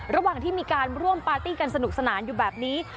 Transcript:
ระหว่างที่มีการร่วมปาร์ตี้กันสนุกสนานอยู่แบบนี้